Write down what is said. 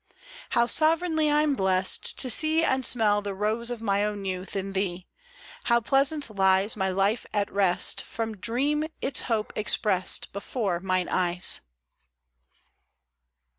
How sovereignly I*m blest To see and smell the rose of my own youth In thee : how pleasant lies My life, at rest From dream, its hope expressed Before mine eyes.